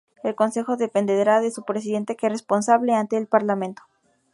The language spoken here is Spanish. El Consejo dependerá de su Presidente, que es responsable ante el Parlamento.